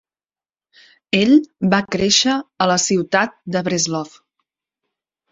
Ell va créixer a la ciutat de Breslov.